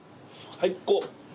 最高。